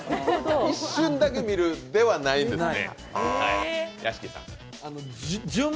一瞬だけ見るではないんですね。